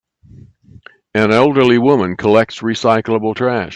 An elderly woman collects recyclable trash.